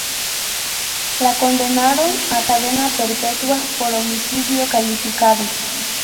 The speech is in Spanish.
La condenaron a cadena perpetua por homicidio calificado.